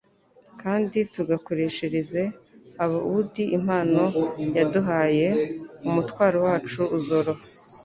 kandi tugakoreshereza abaudi impano yaduhaye. umutwaro wacu uzoroha.